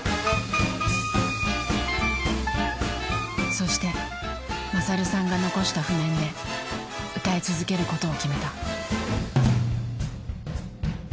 そして勝さんが残した譜面で歌い続けることを決めた。